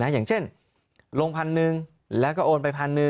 อย่างเช่นลง๑๐๐๐แล้วก็โอนไป๑๐๐๐